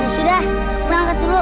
sudah pulang dulu